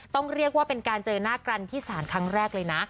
ต้องเรียกว่าเป็นการเจอหน้ากันที่ศาลครั้งแรกเลยนะ